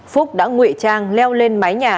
phúc đã ngụy trang leo lên mái nhà